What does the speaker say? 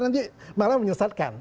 nanti malah menyelesaikan